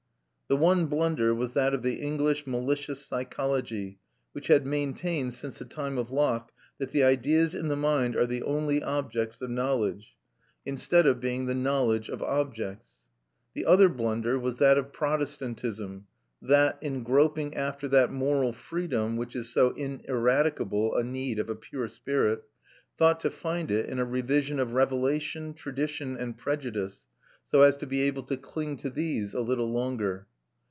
The one blunder was that of the English malicious psychology which had maintained since the time of Locke that the ideas in the mind are the only objects of knowledge, instead of being the knowledge of objects. The other blunder was that of Protestantism that, in groping after that moral freedom which is so ineradicable a need of a pure spirit, thought to find it in a revision of revelation, tradition, and prejudice, so as to be able to cling to these a little longer.